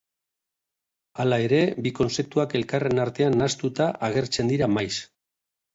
Hala ere bi kontzeptuak elkarren artean nahastuta agertzen dira maiz.